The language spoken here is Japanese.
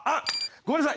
ごめんなさい